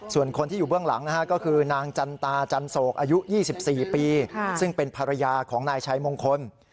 ส่วนคนที่อยู่เบื้องหลังนะฮะก็คือนางจันตาจันโศกอายุ๒๔ปีซึ่งเป็นภรรยาของนายชัยมงคล